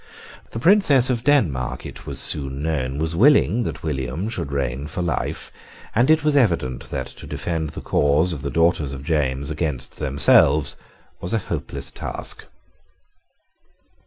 The Princess of Denmark, it was soon known, was willing that William should reign for life; and it was evident that to defend the cause of the daughters of James against themselves was a hopeless task.